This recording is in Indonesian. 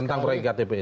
tentang pro iktp ini